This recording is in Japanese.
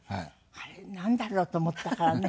あれなんだろう？と思ったからね